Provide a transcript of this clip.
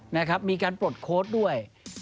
แล้วมีการปลดโค้ดด้วย